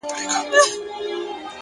هره ورځ نوی پیل لري.